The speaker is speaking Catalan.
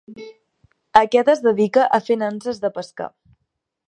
Aquest es dedica a fer nanses de pescar.